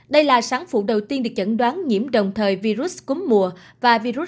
đây là sáng phủ đầu tiên được chẩn đoán nhiễm đồng thời virus cúm mùa và virus sars cov hai tại bệnh viện berlinson